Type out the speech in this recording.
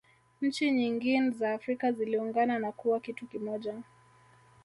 nchi nyingin za afrika ziliungana na kuwa kitu kimoja